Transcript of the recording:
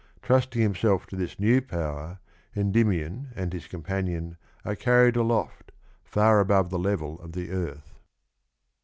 Trusting himself to this new power Endymion and his companion are carried aloft, far above the level of the earth.